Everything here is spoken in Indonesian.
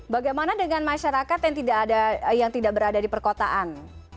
bagaimana dengan masyarakat yang tidak ada yang tidak berada di perkotaan